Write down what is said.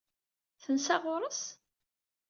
Tensa ɣur-s?